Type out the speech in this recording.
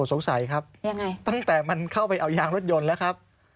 สงสัยครับยังไงตั้งแต่มันเข้าไปเอายางรถยนต์แล้วครับ